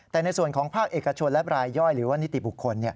แต่ในส่วนของภาคเอกชนและบรายย่อยหรือว่านิติบุคคล